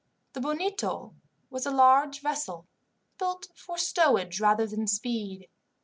The Bonito was a large vessel, built for stowage rather than speed.